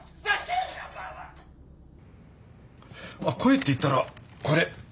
あっ声っていったらこれ。